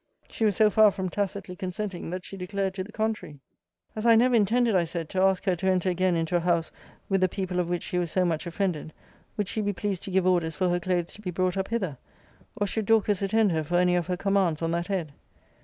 She was so far from tacitly consenting, that she declared to the contrary. As I never intended, I said, to ask her to enter again into a house, with the people of which she was so much offended, would she be pleased to give orders for her clothes to be brought up hither? Or should Dorcas attend her for any of her commands on that head?